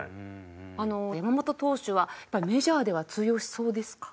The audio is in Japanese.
山本投手はメジャーでは通用しそうですか？